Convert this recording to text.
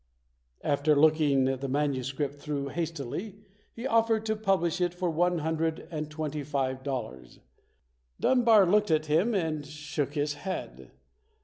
After look ing the manuscript through hastily he offered to publish it for one hundred and twenty five dollars. Dunbar looked at him and shook his head.